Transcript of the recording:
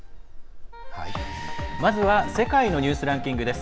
まずは「世界のニュースランキング」です。